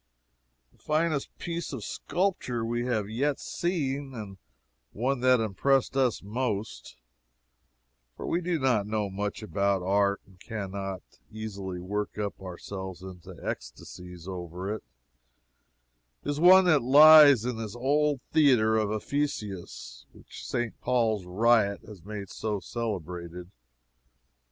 The finest piece of sculpture we have yet seen and the one that impressed us most, (for we do not know much about art and can not easily work up ourselves into ecstasies over it,) is one that lies in this old theatre of Ephesus which St. Paul's riot has made so celebrated.